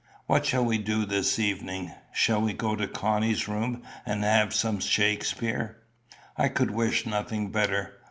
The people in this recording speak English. What shall we do this evening? Shall we all go to Connie's room and have some Shakspere?" "I could wish nothing better.